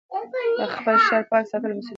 د خپل ښار پاک ساتل مسؤلیت دی.